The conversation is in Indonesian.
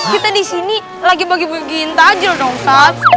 kita di sini lagi bagi bagiin takdil dong ustaz